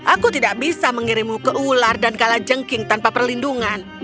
aku tidak bisa mengirimmu ke ular dan kalajengking tanpa perlindungan